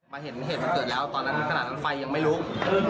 มาเห็นเหตุมันเกิดแล้วตอนนั้นขนาดนั้นไฟยังไม่ลุก